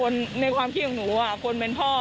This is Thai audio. ในความคิดของหนูคนเป็นพ่อ